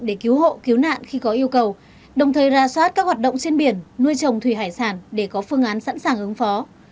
để cứu hộ cứu nạn khi có yêu cầu đồng thời ra soát các hoạt động trên biển nuôi trồng thủy hải sản để có phương án sẵn sàng ứng phó